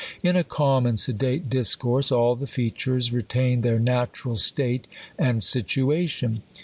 In a calm and sedate discourse, all the features retain their natural state and situation.